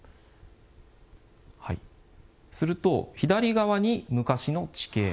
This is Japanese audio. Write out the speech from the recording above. すると左側に昔の地形。